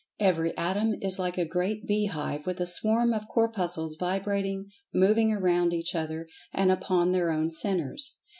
Every Atom is like a great bee hive with a swarm of Corpuscles vibrating, moving around each other, and upon their own centres.